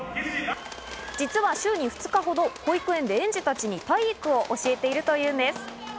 実は週に２日ほど保育園で園児たちに体育を教えているというんです。